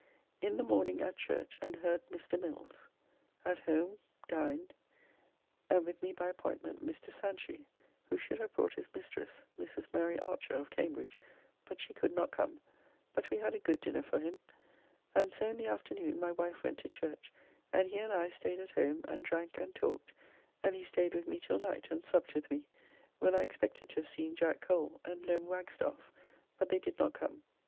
In the morning at church and heard Mr. Mills. At home dined and with me by appointment Mr. Sanchy, who should have brought his mistress, Mrs. Mary Archer, of Cambridge, but she could not come, but we had a good dinner for him. And so in the afternoon my wife went to church, and he and I stayed at home and drank and talked, and he stayed with me till night and supped with me, when I expected to have seen Jack Cole and Lem. Wagstaffe, but they did not come.